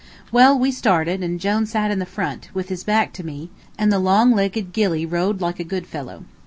Well, we started, and Jone sat in the front, with his back to me, and the long legged gilly rowed like a good fellow.